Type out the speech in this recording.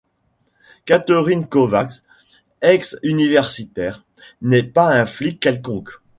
Catherine Kovacs, ex-universitaire, n'est pas un flic quelconque.